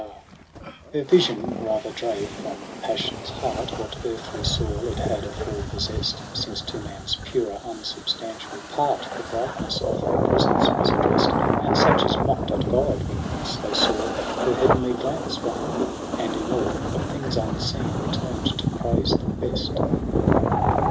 MARCH 77 6 Her vision rather drave from passion's heart What earthly soil it had afore possest ; Since to man's purer unsubstantial part The brightness of her presence was addrest : And such as mock'd at God, when once they saw Her heavenly glance, were humbl'd, and in awe Of things unseen, return'd to praise the Best.